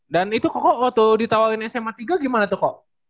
dan itu kok waktu ditawarin sma tiga gimana tuh kok